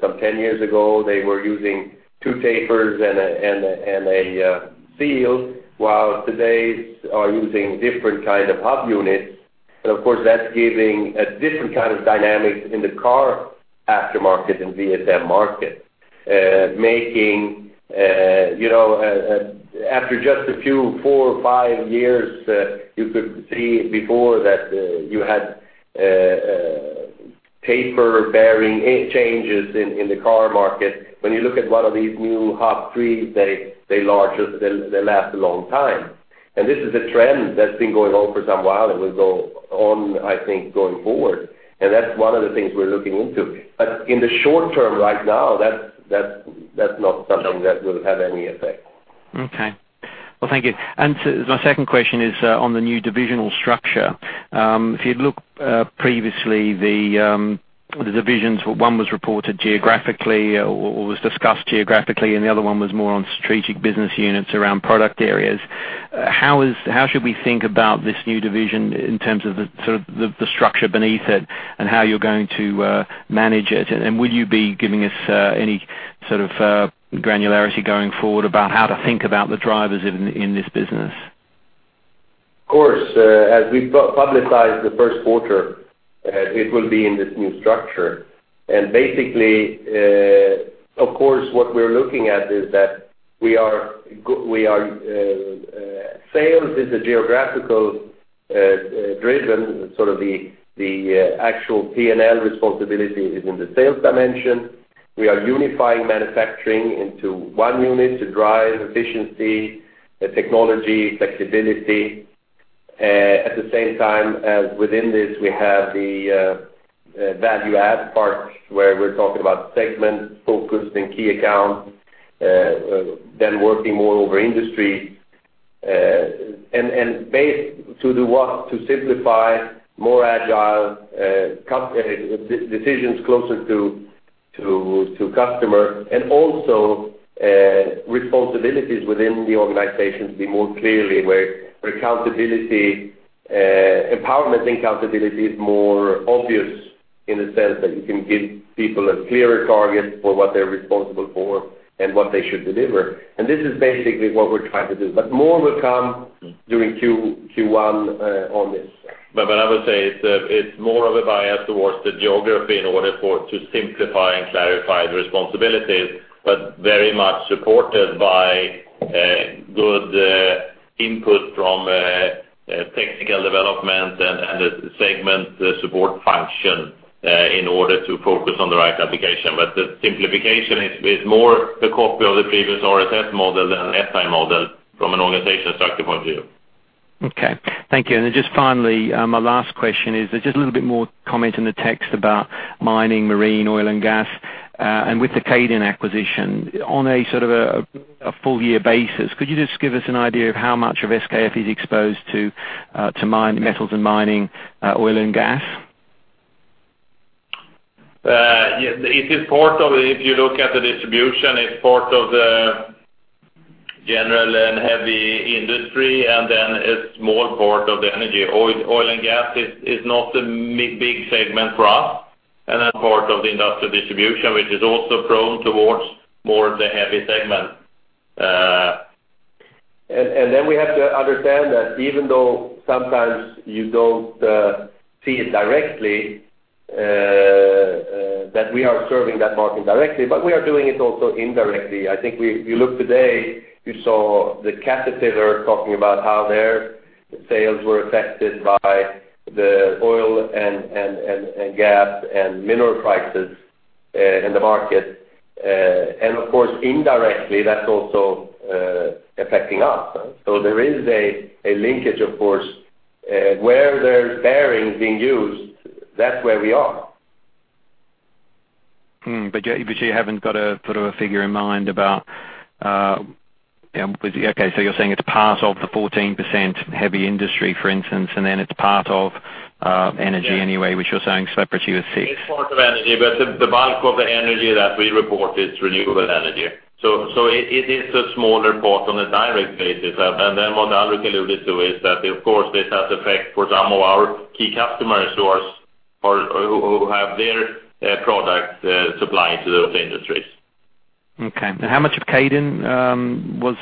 B: some 10 years ago, they were using two tapers and a seal, while today's are using different kind of hub units. And of course, that's giving a different kind of dynamics in the car aftermarket and VSM market. Making, you know, after just a few, four or five years, you could see before that you had taper bearing changes in the car market. When you look at one of these new Hub Three, they, they are larger, they last a long time. This is a trend that's been going on for some while and will go on, I think, going forward. That's one of the things we're looking into. In the short term, right now, that's not something that will have any effect.
M: Okay. Well, thank you. My second question is on the new divisional structure. If you'd look previously, the divisions, one was reported geographically, or was discussed geographically, and the other one was more on strategic business units around product areas. How should we think about this new division in terms of the sort of structure beneath it, and how you're going to manage it? And would you be giving us any sort of granularity going forward about how to think about the drivers in this business?
B: Of course, as we publicize the first quarter, it will be in this new structure. And basically, of course, what we're looking at is that we are sales is a geographical driven, sort of the actual P&L responsibility is in the sales dimension. We are unifying manufacturing into one unit to drive efficiency, the technology, flexibility. At the same time, within this, we have the value add part, where we're talking about segment, focusing key accounts, then working more over industry, and based to do what? To simplify, more agile customer decisions closer to the customer, and also responsibilities within the organization to be more clearly, where accountability, empowerment and accountability is more obvious in the sense that you can give people a clearer target for what they're responsible for and what they should deliver. And this is basically what we're trying to do, but more will come during Q1 on this.
C: But I would say it's more of a bias towards the geography in order for it to simplify and clarify the responsibilities, but very much supported by good input from technical development and the segment support function in order to focus on the right application. But the simplification is more a copy of the previous RSS model than SI model from an organization structure point of view.
M: Okay, thank you. And then just finally, my last question is, just a little bit more comment in the text about mining, marine, oil and gas. And with the Kaydon acquisition, on a sort of a full year basis, could you just give us an idea of how much of SKF is exposed to, to mining, metals and mining, oil and gas?
C: Yeah, it is part of, if you look at the distribution, it's part of the general and heavy industry, and then a small part of the energy. Oil and gas is not a big segment for us, and that's part of the industrial distribution, which is also prone towards more the heavy segment.
B: Then we have to understand that even though sometimes you don't see it directly, that we are serving that market directly, but we are doing it also indirectly. I think you look today, you saw the Caterpillar talking about how their sales were affected by the oil and gas and mineral prices in the market. And of course, indirectly, that's also affecting us. So there is a linkage, of course, where there's bearings being used, that's where we are.
M: But you, but you haven't got a sort of a figure in mind about. Okay, so you're saying it's part of the 14% heavy industry, for instance, and then it's part of energy anyway, which you're saying separately was 6.
C: It's part of energy, but the bulk of the energy that we report is renewable energy. So it is a smaller part on a direct basis. And then what Andrew alluded to is that, of course, this has effect for some of our key customers who are or who have their product supplying to those industries.
M: Okay, and how much of Kaydon was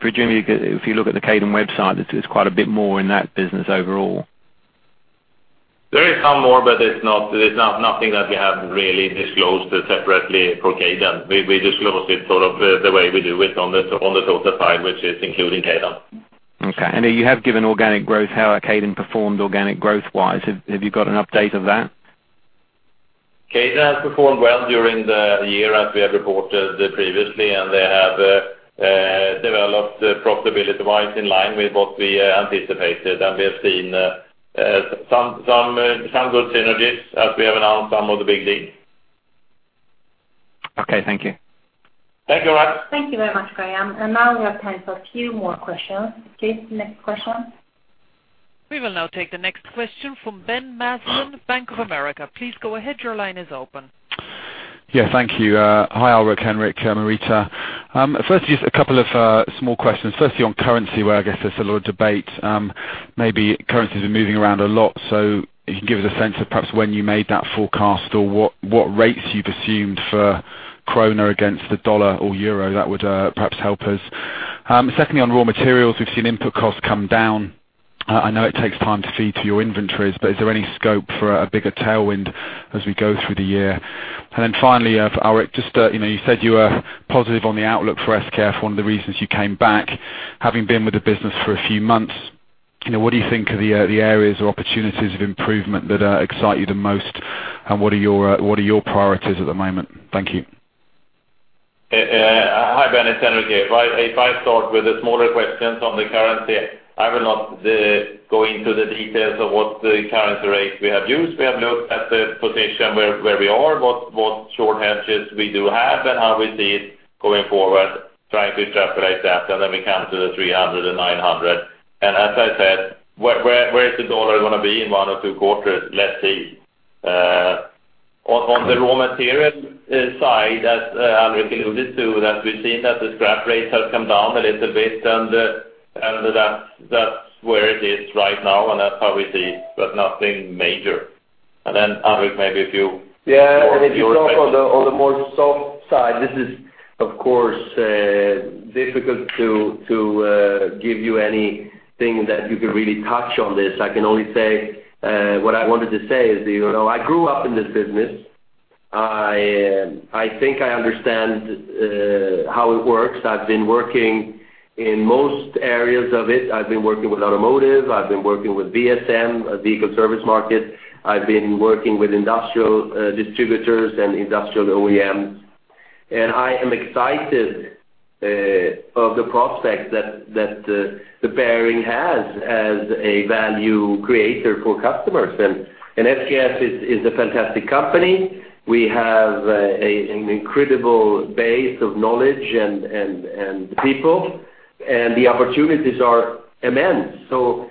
M: presumably, if you look at the Kaydon website, it's, it's quite a bit more in that business overall?
C: There is some more, but it's not nothing that we have really disclosed separately for Kaydon. We disclosed it sort of the way we do it on the total pie, which is including Kaydon.
M: Okay, I know you have given organic growth. How are Kaydon performed organic growth-wise? Have you got an update of that?
C: Kaydon has performed well during the year, as we have reported previously, and they have developed profitability-wise in line with what we anticipated, and we have seen some good synergies as we have announced some of the big deals.
M: Okay, thank you.
C: Thank you very much.
A: Thank you very much, Graham. Now we have time for a few more questions. Please, next question.
D: We will now take the next question from Ben Maslen, Bank of America. Please go ahead. Your line is open.
N: Yeah, thank you. Hi, Alrik, Henrik, Marita. Firstly, just a couple of small questions. Firstly, on currency, where I guess there's a lot of debate, maybe currencies are moving around a lot. So if you can give us a sense of perhaps when you made that forecast or what, what rates you've assumed for krona against the US dollar or euro, that would perhaps help us. Secondly, on raw materials, we've seen input costs come down. I know it takes time to feed to your inventories, but is there any scope for a bigger tailwind as we go through the year? And then finally, for Alrik, just, you know, you said you were positive on the outlook for SKF, one of the reasons you came back. Having been with the business for a few months, you know, what do you think are the areas or opportunities of improvement that excite you the most, and what are your priorities at the moment? Thank you.
C: Hi, Ben, it's Henrik here. If I start with the smaller questions on the currency, I will not go into the details of what the currency rates we have used. We have looked at the position where we are, what short hedges we do have, and how we see it going forward, trying to extrapolate that, and then we come to the 300 and 900. And as I said, where is the dollar gonna be in one or two quarters? Let's see. On the raw material side, as Alrik alluded to, that we've seen that the scrap rates have come down a little bit, and that's where it is right now, and that's how we see, but nothing major. And then, Alrik, maybe a few-
B: Yeah, and if you go on the, on the more soft side, this is, of course, difficult to give you anything that you could really touch on this. I can only say what I wanted to say is, you know, I grew up in this business. I think I understand how it works. I've been working in most areas of it. I've been working with Automotive, I've been working with VSM, Vehicle service market. I've been working with industrial distributors and industrial OEMs, and I am excited of the prospect that the bearing has as a value creator for customers. And SKF is a fantastic company. We have an incredible base of knowledge and people, and the opportunities are immense. So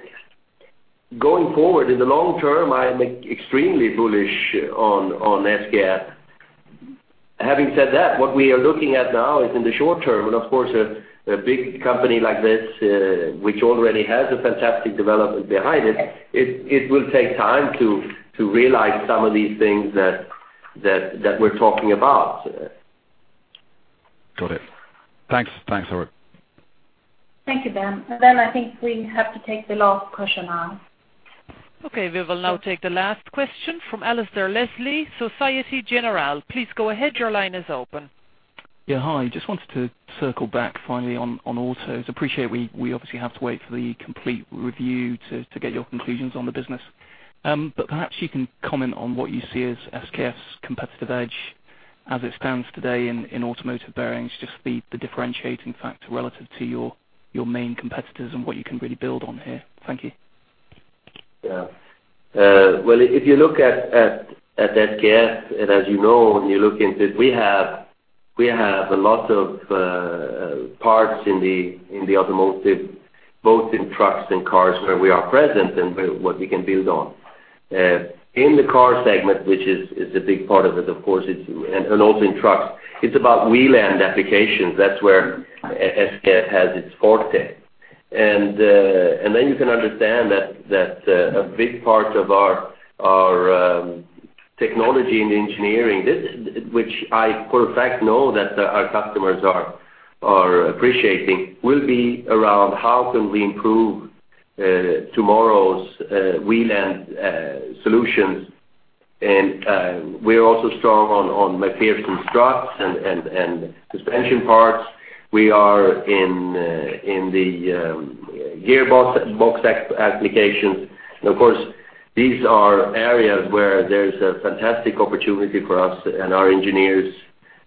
B: going forward, in the long term, I am extremely bullish on SKF. Having said that, what we are looking at now is in the short term, and of course, a big company like this, which already has a fantastic development behind it, it will take time to realize some of these things that we're talking about.
N: Got it. Thanks. Thanks, Alrik.
A: Thank you, Ben. And then I think we have to take the last question now.
D: Okay, we will now take the last question from Alistair Leslie, Société Générale. Please go ahead. Your line is open.
O: Yeah, hi. Just wanted to circle back finally on autos. Appreciate we obviously have to wait for the complete review to get your conclusions on the business. But perhaps you can comment on what you see as SKF's competitive edge as it stands today in Automotive bearings, just the differentiating factor relative to your main competitors and what you can really build on here. Thank you.
B: Yeah. Well, if you look at SKF, and as you know, when you look into it, we have a lot of parts in the automotive, both in trucks and cars, where we are present and where what we can build on. In the car segment, which is a big part of it, of course, it's and also in trucks, it's about wheel end applications. That's where SKF has its forte. And then you can understand that a big part of our technology and engineering, this which I for a fact know that our customers are appreciating, will be around how can we improve tomorrow's wheel end solutions. And we're also strong on MacPherson struts and suspension parts. We are in the gearbox applications. And of course, these are areas where there's a fantastic opportunity for us and our engineers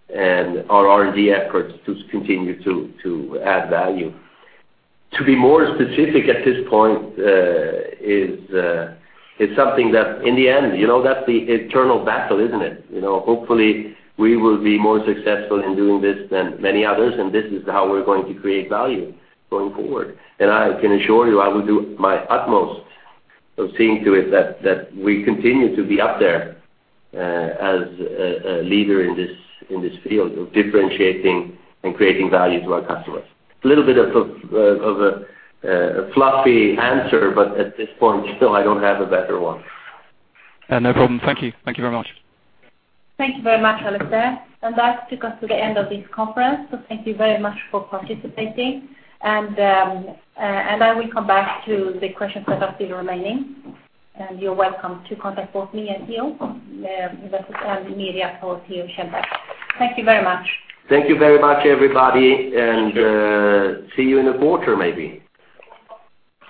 B: and our R&D efforts to continue to add value. To be more specific at this point is something that in the end, you know, that's the eternal battle, isn't it? You know, hopefully, we will be more successful in doing this than many others, and this is how we're going to create value going forward. And I can assure you, I will do my utmost of seeing to it that we continue to be up there as a leader in this field of differentiating and creating value to our customers. A little bit of a fluffy answer, but at this point, still, I don't have a better one.
O: No problem. Thank you. Thank you very much.
A: Thank you very much, Alistair. That takes us to the end of this conference, so thank you very much for participating. I will come back to the questions that are still remaining, and you're welcome to contact both me and CEO, and media, or Theo Kjellberg. Thank you very much.
B: Thank you very much, everybody, and see you in a quarter, maybe.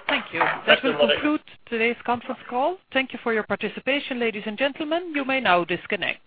D: Thank you. That will conclude today's conference call. Thank you for your participation, ladies and gentlemen. You may now disconnect.